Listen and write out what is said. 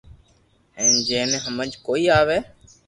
ھين جي ني ھمج ۾ ڪوئي اوي